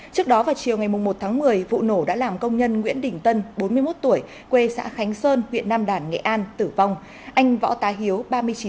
trước đó vào chiều ngày một tháng một mươi vụ nổ đã làm công nhân nguyễn đình tân bốn mươi một tuổi